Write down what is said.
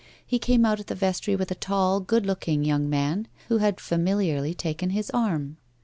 He came out of the vestry with a tall, good looking, young man who had familiarly taken his arm.